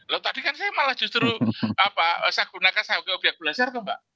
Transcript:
loh tadi kan saya malah justru apa saya gunakan sanggup biak belajar mbak